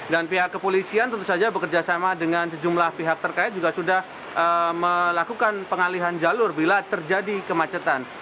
dan pihak kepolisian tentu saja bekerjasama dengan sejumlah pihak terkait juga sudah melakukan pengalihan jalur bila terjadi kemacetan